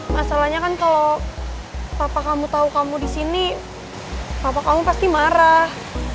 masalahnya kan kalau papa kamu tahu kamu di sini papa kamu pasti marah